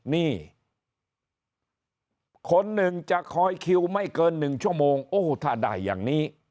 นี่คนหนึ่งจะคอยคิวไม่เกิน๑ชั่วโมงโอ้ถ้าได้อย่างนี้